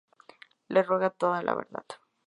Le ruega toda la verdad.